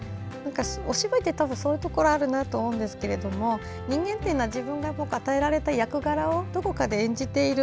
お芝居って多分そういうところあるなと思うんですが人間というのは自分が与えられた役柄をどこかで演じている。